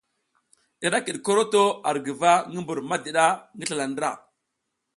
I ra kiɗ koroto ar guva ngi mbur madiɗa ngi slala ndra.